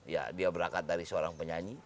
ya dia berangkat dari seorang penyanyi